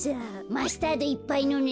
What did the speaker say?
マスタードいっぱいのね。